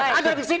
saya ada di sini